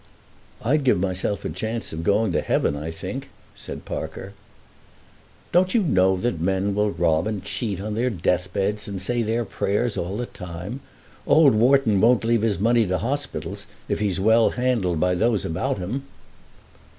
"I'd give myself a chance of going to heaven, I think," said Parker. "Don't you know that men will rob and cheat on their death beds, and say their prayers all the time? Old Wharton won't leave his money to hospitals if he's well handled by those about him."